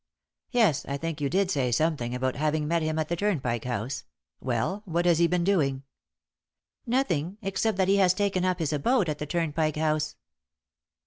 "Yes; I think you did say something about having met him at the Turnpike House. Well, what has he been doing?" "Nothing, except that he has taken up his abode at the Turnpike House."